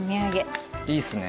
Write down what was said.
いいっすね